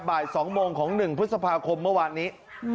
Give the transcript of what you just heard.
บ่าย๒โมงของ๑พฤษภาคมเมื่อวานนี้